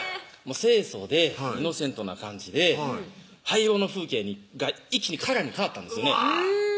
清楚でイノセントな感じで灰色の風景が一気にカラーに変わったんですよね